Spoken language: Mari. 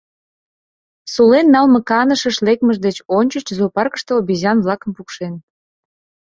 Сулен налме канышыш лекмыж деч ончыч зоопаркыште обезьян-влакым пукшен.